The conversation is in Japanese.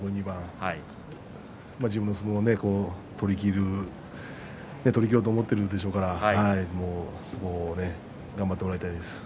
自分の相撲を取りきろうと思っているでしょうから相撲を頑張ってもらいたいです。